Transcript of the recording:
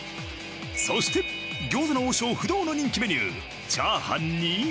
そして餃子の王将不動の人気メニュー炒飯に。